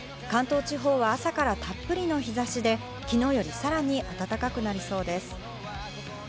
関東地方は朝からたっぷりの日差しで、きのうよりさらに暖かくなりそうです。